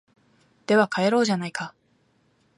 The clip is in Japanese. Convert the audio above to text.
では帰ろうじゃないか